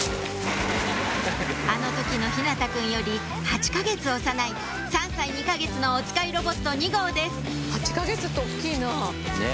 あの時の日向汰くんより８か月幼い３歳２か月のおつかいロボット２号です８か月って大っきいな。